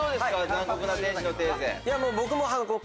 『残酷な天使のテーゼ』。